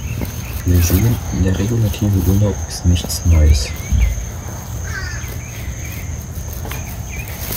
Sie sehen, der regulative Urlaub ist nichts Neues.